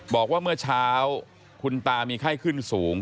บอกว่าเมื่อเช้าคุณตามีไข้ขึ้นสูง